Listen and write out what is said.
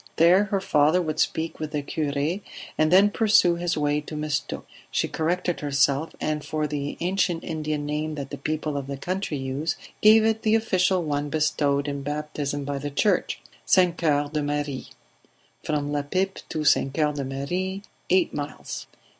There her father would speak with the cure, and then pursue his way to Mistook. She corrected herself, and for the ancient Indian name that the people of the country use, gave it the official one bestowed in baptism by the church St. Coeur de Marie. From La Pipe to St. Coeur de Marie, eight miles